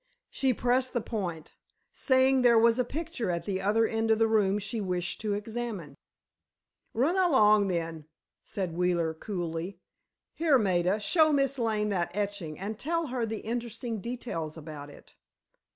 She pressed the point, saying there was a picture at the other end of the room she wished to examine. "Run along, then," said Wheeler, coolly. "Here, Maida, show Miss Lane that etching and tell her the interesting details about it."